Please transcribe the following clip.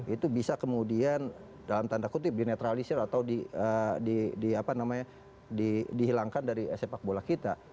itu bisa kemudian dalam tanda kutip dinetralisir atau dihilangkan dari sepak bola kita